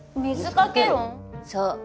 そう。